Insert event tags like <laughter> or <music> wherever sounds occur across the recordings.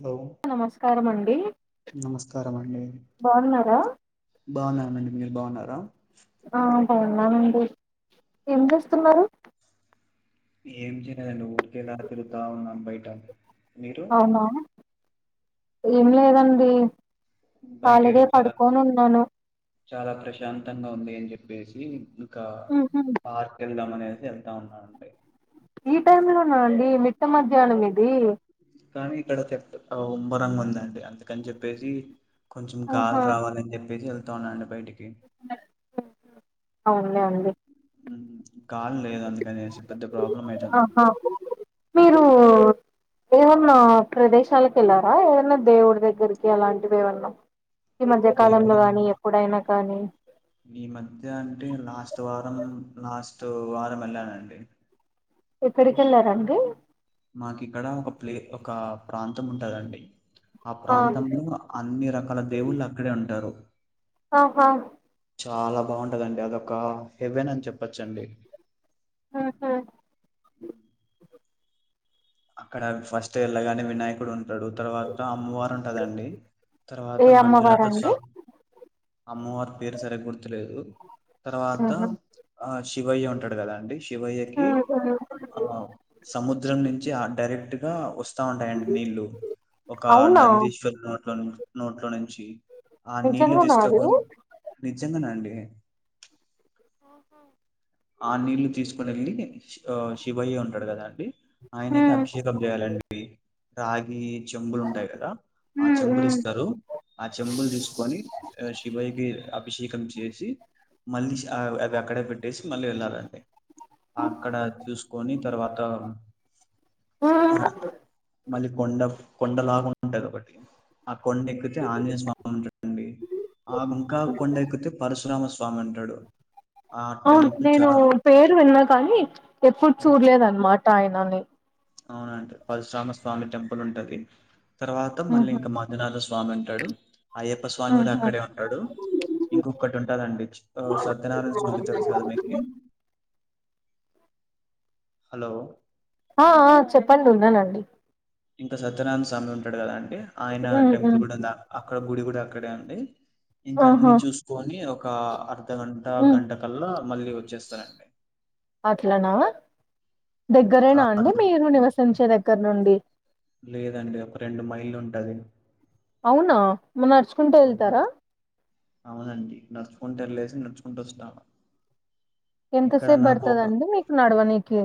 Hello నమస్కారము అండి నమస్కారం బాగున్నారా? బాగున్నా అండి మీరు బాగున్నారా? బావున్నామండి ఏం చేస్తున్నారు? ఏం చేయదండి. ఊరికే ఇలా తిరుగుతాన్నా బయట మీరు అవునా ఏం లేదండి బయట ఖాళిగే ఈరోజు చాలా పడుకోనున్నాను చాలా ప్రశాంతంగా ఉంది అని జెప్పేసి ఇంకా ఉహు పార్క్ వెళ్దాం అనే వెళ్తా ఉన్నా అంటే ఈ టైమ్ లోనా అండి మిట్ట మధ్యాహ్నం ఇది కానీ ఇక్కడ చప్ట్ ఉమ్బరంగ ఉందండి అందుకని చెప్పేసి కొంచెం గాలి ఆహా రావాలని చెప్పేసి వెళ్తా ఉన్నాండి బయటికి అవునులే అండి గాల్ లేదు అందుకనేసి పెద్ద ప్రాబ్లం అయితం ఆహా మీరు ఏమన్నా ప్రదేశాలకు వెళ్లారా ఏదన్నా దేవుడి దగ్గరికి అలాంటివి ఏవన్నా దేవుడిది కానీ ఈ మధ్య అంటే లాస్ట్ వారం లాస్ట్ వారం ఎల్లానండి ఎక్కడికెళ్ళారండి మాకిక్కడ ఒక ప్లే ఒక ప్రాంతం ఉంటదండి ఆ ప్రాంతంలో అన్ని రకాల దేవుళ్ళు అక్కడే ఉంటారు ఆహా చాలా బాగుంటదండి అదొక హెవెన్ అని చెప్పచ్చండి ఆహా హ అక్కడ ఫస్ట్ వెళ్ళగానే వినాయకుడు తర్వాత అమ్మవారు ఉంటదండి తర్వాత ఏ మంజునాథ అమ్మవారండి అమ్మవార్ పేరు సరిగ గుర్తులేదు తర్వాత ఆహా ఆ శివయ్య ఉంటాడు గదండి శివయ్యకి ఉహు ఆ సముద్రం ఆ డైరెక్ట్ గా వస్తా ఉంటాయండి నీళ్లు ఒక అవునా నందీశ్వరుడు నోట్లో నుంచి ఆ నీళ్లు నిజంగానా అది తీస్కబోయి నిజంగనండి ఏ ఆహా ఆ నీళ్ళు తీసుకొనెళ్ళి శివయ్య ఉంటాడు గదాండి ఆయనకి హ్మ్ అభిషేకం చేయాలండి రాగి జంబులుంటాయి గదా ఆ హ్మ్ చెంబులు హ్మ్ ఇస్తారు ఆ చెంబులు తీస్కోని శివయ్యకి అభిషేకం చేసి మళ్ళీ అవి అక్కడే పెట్టేసి మళ్ళీ వెళ్ళాలండి అక్కడ చూస్కోని తర్వాత హ్మ్. మళ్ళీ కొండప్ కొండలాగా ఉంటదొకటి ఆ కొండెక్కితే ఆంజనేయ స్వామి ఉంటుండి ఆ ముంకా కొండెక్కితే పరశురామ స్వామి ఉంటాడు ఆ అవును టెంపుల్ చా నేను పేరు విన్నా కానీ ఎప్పుడు చూడ్లేదు అన్మాట ఆయ్నని అవునండి పరశురామ స్వామి టెంపులుంటది తర్వాత మళ్ళీ ఉహు ఇంకా మంజునాథ స్వామి ఉంటాడు అయ్యప్ప స్వామి గుడ ఉహు అక్కడే ఉంటాడు ఇంకొక్కటి ఉంటదండి సత్యనారాయణ స్వామి తెలుసు కద మీకి హలో ఆ ఆ చెప్పండి ఉన్నానండి ఇంక సత్యనాయణ స్వామి ఉంటడు గదండి ఆయన ఉహు టెంపుల్ గుడుంది అక్కడ గుడి గుడ అక్కడే అండి ఆహా ఇంకన్నీ చూస్కోని ఒక అర్ధగంట ఉ గంట కల్లా మళ్ళీ వచ్చేస్తరండి అట్లనా దగ్గరేనా అండి మీరు నివసించే దగ్గర్ నుండి లేదండి ఒక రెండు మైళ్ళు ఉంటది అవునా మరి నడుచుకుంటూ అవునా వెళ్తారా అవునండి నడుచుకుంటల్లేసి నడుచుకుంటువస్తాము ఎంతసేపు బడ్టదండి మీకు నడవనికి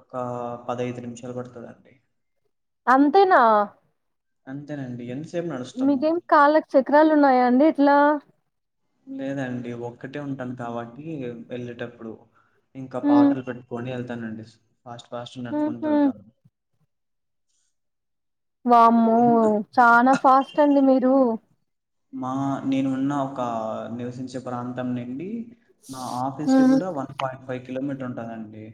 ఒక పదైదు నిమిషాలు పడుతుందండీ అంతేనా అంతేనండి నడుస్తాము మీకేం కళ్లకు చక్రాలు ఉన్నాయా అండి ఎట్లా లేదండి ఒక్కటే ఉంటాను కాబట్టి వెళ్ళేటప్పుడు ఇంకా ఉ పాటలు పెట్టుకొని వెళ్తానండి ఫాస్ట్ ఫాస్ట్ నడుచుకుంటూ ఉహు వెళ్తాను వామ్మో ఇంకా చనా ఫాస్ట్ అండి మీరు మా నేను ఉన్న ఒక నివసించే ప్రాంతం నుండి మా ఆఫీస్ కి ఉమ్ కూడా వన్ పాయింట్ ఫైవ్ కిలోమీటర్ ఉంటదండి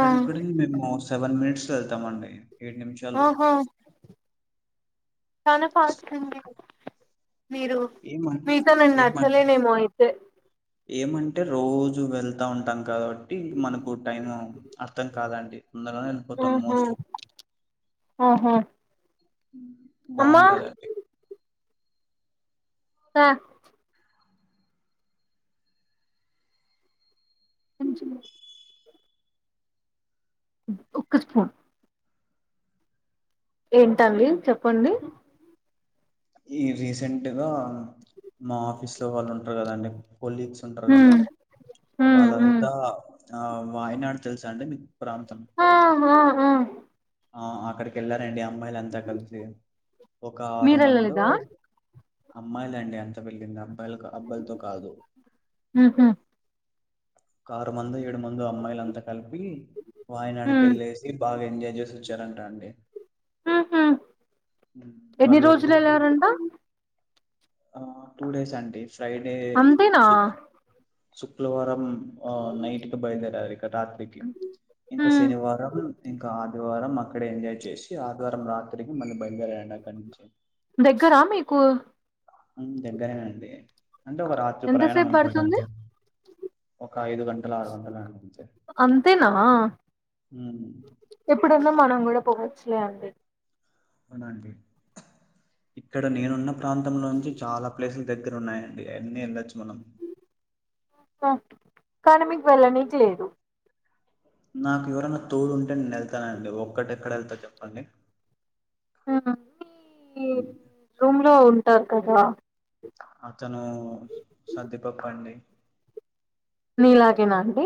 ఆ మేము సెవెన్ మినిట్స్లో వెళ్తామండి ఏడు నిమిషాలు ఆఓహో చన ఫాస్ట్ అండి మీరు ఏమం మీతో నేను ఏమం నచ్చలేనేమో అయితే ఏమంటే రోజు వెళ్తా ఉంటాం కాబట్టి మనకు టైం అర్థం కాదండి తొందరగానే వెళ్ళిపోతాం ఆహా మోస్ట్ ఆహా అమ్మా బావుంటదండి స సంచి ఒక్క స్పూన్ ఏంటండి చెప్పండి ఈ రీసెంట్గా మా ఆఫీస్ లో వాళ్ళు ఉంటారు కదండి కొలీగ్స్ ఉంటారు కదా ఉమ్ ఉమ్ ఉమ్ వాళ్ళంతా ఆ వాయినాడ తెలుసా అండి మీకు ప్రాంతం ఆ ఆ ఆ ఆ అక్కడికి ఎల్లారండి అమ్మాయిలు అంతా కలిసి ఒక ఆరు మందో మీరెళ్ళలేదా అమ్మాయిలండి అంత వెళ్ళింది అబ్బాయిల అబ్బాయిలతో కాదు ఉహు ఆరు మందో ఏడు మందో అమ్మాయిల అంతా కలిపి వాయనాడికి ఉమ్ వెళ్ళేసి బాగా ఎంజాయ్ చేసి చారంటా అండి ఉహు ఎన్ని వాళ్ళు రోజులు వెళ్లారంట ఆ టూ డేస్ అండి ఫ్రైడే అంతేనా స శుక్రవారం ఆ నైట్ కి బయల్దేరారు ఇక్కడ రాత్రికి ఇంకా ఉమ్ శనివారం ఇంకా ఆదివారం అక్కడ ఎంజాయ్ చేసి ఆదివారం రాత్రికి మళ్ళీ బయలుదేర నా కంచే దగ్గరా మీకు దగ్గరేనండి అంటే ఒక రాత్రి ప్రయాణం ఎంతసేపు అనుకోండి పడుతుంది అంతే ఒక ఐదు గంటలు ఆరు గంటలు అ అంతే అంతేనా ఉమ్, ఎప్పుడన్నా మనం కూడా పోవచ్చులే అండి అవునండి ఇక్కడ నేనున్న ప్రాంతం నుంచి చాలా ప్లేసులు దగ్గర ఉన్నాయండి అన్ని ఎల్లచు మనం కానీ మీకు వెళ్ళనీకి లేదు నాకు ఎవరనా తోడు ఉంటే నేను వెళ్తానండి ఒక్కటిెక్కడ వెళ్తా చెప్పండి మీ రూమ్ లో ఉంటారు కదా అతను సదిపప్ప అండి మీ లాగే నా ఆంటీ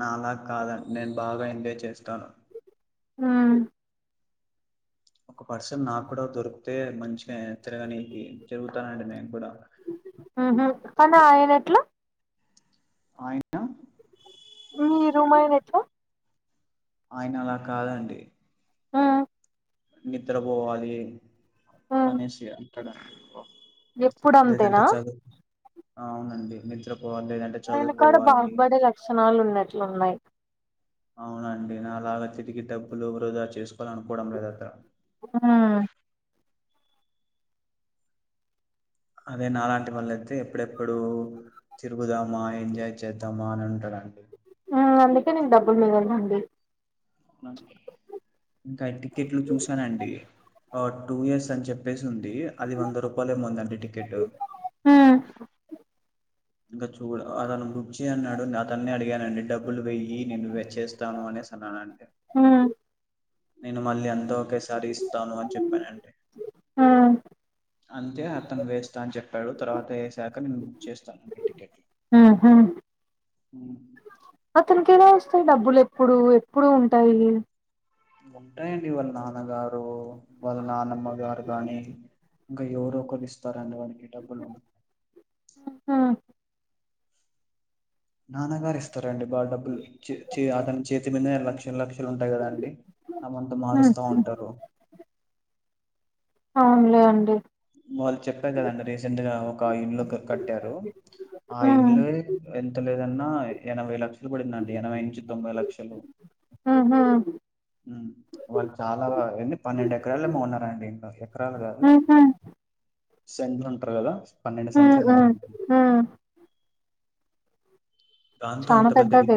నాలాాగ కాదండి నేను బాగా ఎంజాయ్ చేస్తాను హమ్ ఒక పర్సన్ నాకు కూడా దొరికితే మంచిగా తిరగని జరుగుతానండి నేను కూడా ఉహు కానీ ఆయన ఎట్లు ఆయనా మీరు మా ఆయన ఎట్లా ఆయనలా ఆ కాదండి నిద్రపోవాలి అనేసి అంటాదండీ ఎప్పుడు అంతేనా అవునండి నిజం ఆయన కూడాడ బాగుపడే లక్షణాలు ఉన్నట్లున్నాయి అవునండి నాలాగా తిరిగి డబ్బులు వృదా చేసుకోవాలి అనుకోవడం లేదుఆట హమ్ అదే నాలాంటి వాళ్ళ అయితే ఎప్పుడెప్పుడు తిరుగుదామా ఎంజాయ్ చేద్దామా అని ఉంటాడంండి హమ్ అందుకే నేను డబ్బులు మిగల్దండీ ఇంకా టికెట్లు చూసానండి టూ ఇయర్స్ అని చెప్పేసి ఉంది అది వంద రూపాయలు ఏమందండి టికెట్ ఇంకా చూడ అతను బుక్ చే అన్నాడు అతనే అడిగానండి డబ్బులు వయ్య నేను వెచ్చేస్తాను అనే అన్నానుంటే నేను మళ్ళీ అంత ఒక సారి ఇస్తాను అని చెప్పా నండి అంతే అతను వేస్తా అని చెప్పాడు తర్వాత వేసాక నేను బుక్ చేస్తాను ఆ హు హ అతనికిేదో వస్తాయి డబ్బులు ఎప్పుడు ఎప్పుడు ఉంటాయి ఉంటాయండి వాళ్ళ నాన్నగారు వాళ్ళ నానమ్మ గారు కాని ఇంకా ఎవరు ఒకరు ఇస్తారండీ వారిని డబ్బులు హ్మ్. నాన్నగారు ఇస్తారంండి బాగా డబ్బులు అతని చేతి మీద లక్షలు లక్షలు ఉంటాయి కదా అండి తమంతా హ్మ్. మారుస్తా హ్మ్. ఉంటారు అవునులే ఆండీ వాళ్ళు చెప్పారు కదండి రీసెంట్ గా ఒక ఇళ్ళు కట్టారు ఆ హ్మ్. ఇల్లే ఎంత లేదా ఏంతన్న ఎనభై లక్షలు పడిందండి ఎనభై నుంచి తొంభై లక్షలు ఉహు మ్ వాళ్ళు చాలా పన్నెండు ఎకరాలు కొన్నరండి ఏకర్ ఎకరాలు కాదు ఉహు సెంట్లు అంటారు గదా ఉహు హు దాంతో చానా అంత పెద్ద పెద్దది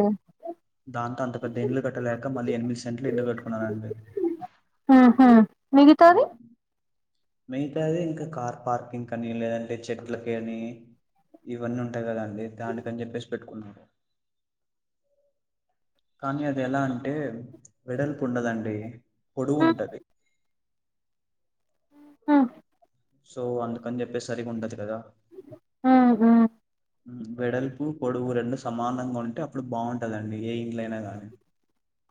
దాంతో అంత పెద్ద ఇండ్లు కట్టలేక మళ్ళీ ఎనిమిది సెంట్లు ఇల్లు కట్టుకున్నానండి హమ్ మిగతది మిగతా అది ఇంకా కార్ పార్కింగ్ అని లేదంటే చెట్లకని ఇవన్నీ ఉంటాయి కదండి దానికని చెప్పేసి పెట్టుకున్నా కానీ అది ఎలా అంటే వెడల్పు ఉండదండి పొడుగు ఉహు ఉంటది ఆ సో అంద్ చెప్పే సరి ఉండదు కదా ఉ వెడల్పుపొడువు రెండు సమానంగా ఉంటే అప్పుడు బాగుంటదండి ఏ ఇల్లైనా గానీ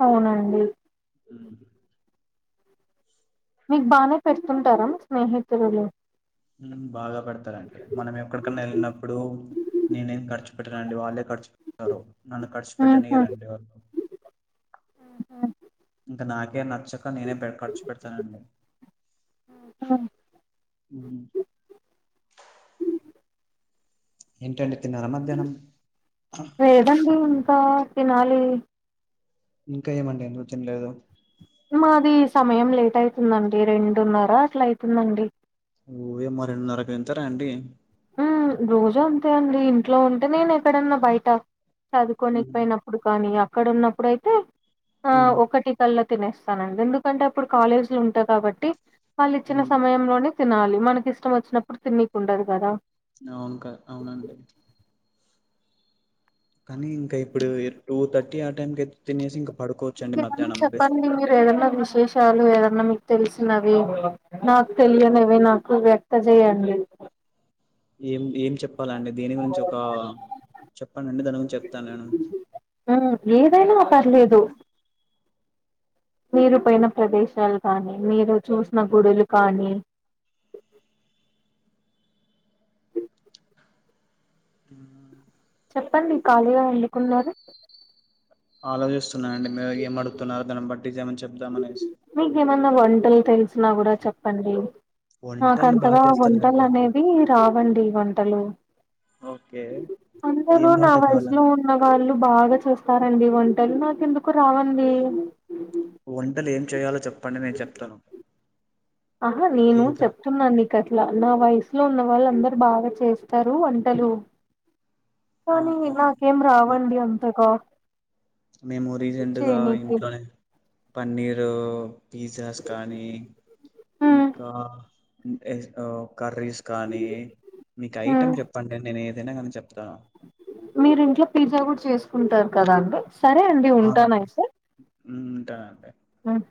అవునండి మీకు బానే పెడుతుంటారా స్నేహితులు బాగా పెడుతారండి మనం ఎక్కడికైన వెళ్ళినప్పుడు నేనేం ఖర్చు పెట్టనండి వాళ్ళే క ఖర్చు పెడుతారు నన్ను ఖర్చు ఉహు పెట్టనీయరండి వాళ్ళు ఇంకా నాకే నచ్చక నేనే పె ఖర్చు పెడుతానండి ఉ మ్ ఏంటండి తిన్నార మధ్యాహ్నం ఆ తినాలి ఇంకా ఏమండి ఎందుకు తినలేదు మాది సమయం లేట్ అయితుందండి రెండున్నర అట్లా అయితుందండి ఓ యమ్మ రెండున్నరకి తింటారా అండి మ్ రోజు అంతే అండి ఇంట్లో ఉంటే నేను ఎక్కడన్నా బయట ఉమ్ చదువుకోనికిపోయినప్పుడు కానీ అక్కడ ఉన్నప్పుడయితే ఆ ఉమ్ ఒకటి కల్ళ తినేస్తానండి ఎందుకంటే అప్పుడు కాలేజీలో ఉంటా కాబట్టి వాళ్ళు ఇచ్చిన ఉమ్ సమయంలోనే తినాలి మనకి ఇష్టం వచ్చినప్పుడు తినీకి ఉండదు కదా అవునుకాద్ అవునండి కానీ ఇంకా ఇప్పుడు టూ థర్టీ ఆ టైం కయితే తినేసి ఇంకా పడుకోవచ్చండి ఇంకేమన్నా మధ్యాహ్నం బెస్ట్ చెప్పండి మీరు ఏదన్నా విశేషాలు ఏదన్నా మీ తెలిసినవి నాకు తెలియనివి నాకు వ్యక్త చేయండి ఏం ఏం చెప్ ప్పాలండి దీని గురించి ఒక చెప్పనండి దాని గురించి చెప్తా నేను మ్మ్ ఏదైనా పర్లేదు మీరు పోయిన ప్రదేశాలు కానీ మీరు చూసిన గుడులు కానీ <inaudible> ఆ <inaudible> చెప్పండి ఖాళీగా ఎందుకున్నారు ఆలోచిస్తున్నా అండి మీరు ఏమ్ అడుగుతున్నారో దాన్ని బట్టి ఏమైనా చెప్దామనేసి మీకేమన్నా వంటలు తెలిసినా కుడా చెప్పండి వంటలు బాగా నాకంతగా వంటలు చేస్తానండి అనేవి రావండి వంటలు ఓకే అందరూ ఏం నా వంట కావాల వయసులో ఉన్న వాళ్ళు బాగా చూస్తారండి వం టలు నాకు ఎందుకో రావండి వంటలు ఏం చేయాలో చెప్పండి నేను చెప్తాను ఆహా నేను ఏం కా చెప్తున్నా నీ క ట్ల నా వయసులో ఉన్న వాళ్ళు అందరు బాగా చేస్తారు వంటలు ఆ కానీ ఆ నాకేం రావండి అంతగా మేము రీసెంట్గా చేయనీకి ఇంట్లోనే పన్నీరు పిజ్జాస్ కానీ హ్మ్ ఇంకా <unintelligible> కర్రీస్ కానీ మీకు హ్మ్ ఐటెమ్ చెప్పండి నేను ఏదైనా కానీ చెప్తా మీరు ఇంట్లో పిజ్జా కూడా చేసుకుంటారు కదా అండి సరే అండి ఆ, ఉంటానైతే ఉంటానండి మ్